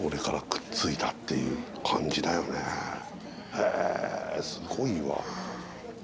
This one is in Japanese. へえすごいわ。